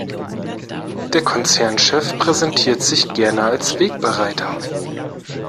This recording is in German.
Der Konzernchef präsentiert sich gerne als Wegbereiter.